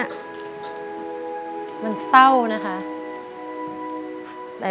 มันเศร้านะคะ